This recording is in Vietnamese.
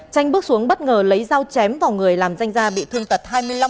chanh bước xuống bất ngờ lấy dao chém vào người làm danh gia bị thương tật hai mươi năm